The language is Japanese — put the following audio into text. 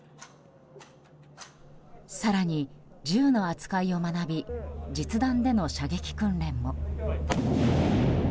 更に、銃の扱いを学び実弾での射撃訓練も。